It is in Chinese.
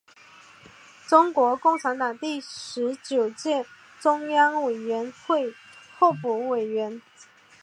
中国共产党第十九届中央委员会候补委员。